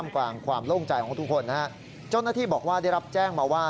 กลางความโล่งใจของทุกคนนะฮะเจ้าหน้าที่บอกว่าได้รับแจ้งมาว่า